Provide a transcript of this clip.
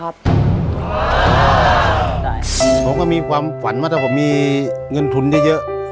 ผมก็มีความฝันว่าถ้าผมมีเงินทุนเยอะ